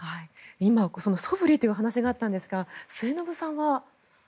今、そぶりというお話があったんですが、末延さんは。